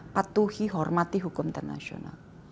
patuhi hormati hukum internasional